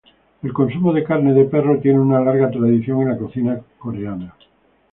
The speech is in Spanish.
El consumo de carne de perro tiene una larga tradición en la cocina coreana.